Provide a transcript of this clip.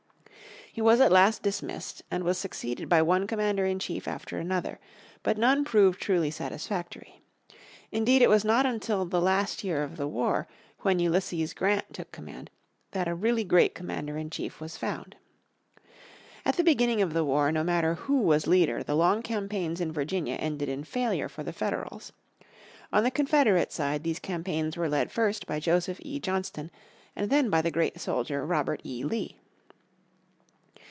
He was at last dismissed, and was succeeded by one commander in chief after another. Not none proved truly satisfactory. Indeed it was not until the last year of the war, when Ulysses Grant took command, that a really great commander in chief was found. At the beginning of the war no matter who was leader the long campaigns in Virginia ended in failure for the Federals. On the Confederate side these campaigns were led first by Joseph E. Johnston, and then by the great soldier, Robert E. Lee.